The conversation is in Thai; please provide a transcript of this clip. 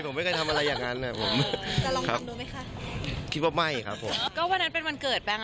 ผมไม่เคยทำอะไรอย่างนั้น